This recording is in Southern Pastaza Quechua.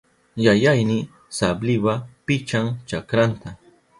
Yayayni sabliwa pichan chakranta.